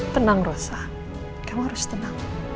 tenang rosa kamu harus tenang